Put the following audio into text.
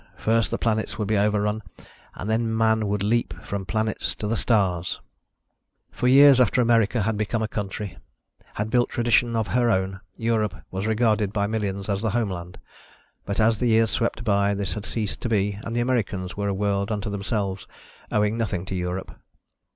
First the planets would be overrun, and then man would leap from the planets to the stars! For years after America had become a country, had built a tradition of her own, Europe was regarded by millions as the homeland. But as the years swept by, this had ceased to be and the Americas were a world unto themselves, owing nothing to Europe.